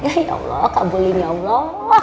ya ya allah kabulin ya allah